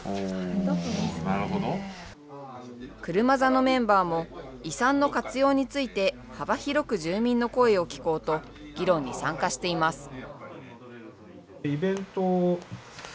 車座のメンバーも、遺産の活用について幅広く住民の声を聞こうと、議論に参加しています。